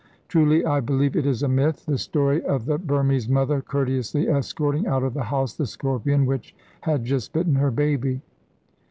Truly I believe it is a myth, the story of the Burmese mother courteously escorting out of the house the scorpion which had just bitten her baby.